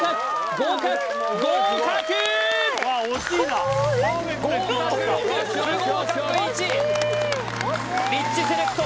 合格合格合格合格リッチセレクト